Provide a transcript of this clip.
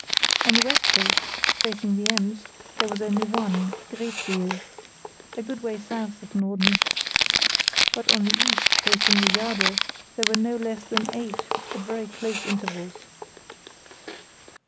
On the west coast, facing the Ems, there was only one, Greetsiel, a good way south of Norden. But on the east, facing the Jade, there were no less than eight, at very close intervals.